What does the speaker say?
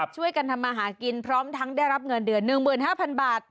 ช่วยกันทำมาหากินพร้อมทั้งได้รับเงินเดือน๑๕๐๐๐บาท